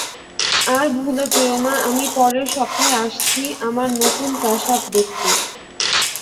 আর ভুলে যেও না, আমি পরের সপ্তাহে আসছি, আমার নতুন প্রাসাদ দেখতে।